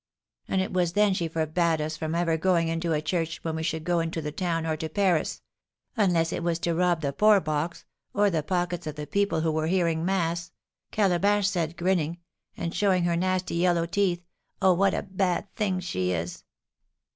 "And it was then she forbade us from ever going into a church when we should go into the town, or to Paris; 'Unless it was to rob the poor box, or the pockets of the people who were hearing mass,' Calabash said, grinning, and showing her nasty yellow teeth. Oh, what a bad thing she is!"